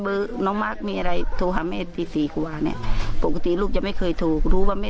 ปรึกษานานาที่เขาหามาตัดไปแล้ว